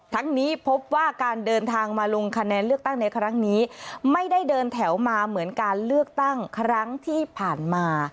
ทั้งนี้พบว่าการเดินทางมาลงคะแนนเลือกตั้งในครั้งนี้ไม่ได้เดินแถวมาเหมือนการเลือกตั้งครั้งที่ผ่านมา